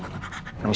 oke seirian langsung